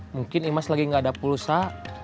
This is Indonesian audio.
mungkin imas lagi nggak ada pulsa